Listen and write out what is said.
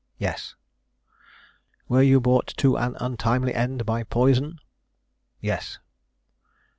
"Yes." "Were you brought to an untimely end by poison?" "Yes."